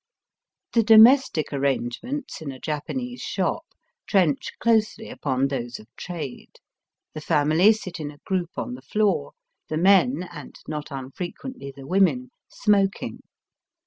The domestic arrangements in a Japanese shop trench closely upon those of trade. The family sit in a group on the floor, the men, and not unfrequently the women, smoking.